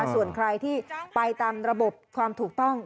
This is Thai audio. ส่วนใครที่ไปตามระบบความถูกต้อง